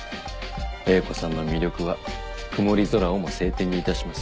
英子さんの魅力は曇り空をも晴天にいたします。